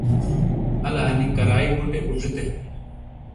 الا انی کریئی بوڑے اچوتے ۔